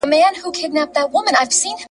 او پیسې یې ترلاسه کولې !.